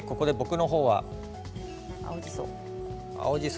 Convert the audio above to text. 青じそ。